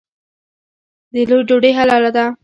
د دوی ډوډۍ حلاله ده.